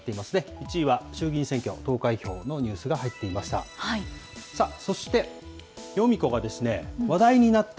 １位は衆議院選挙投開票のニュースが入っていました。